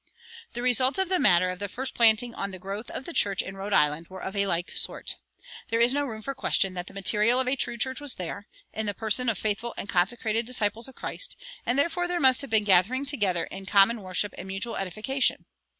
The results of the manner of the first planting on the growth of the church in Rhode Island were of a like sort. There is no room for question that the material of a true church was there, in the person of faithful and consecrated disciples of Christ, and therefore there must have been gathering together in common worship and mutual edification.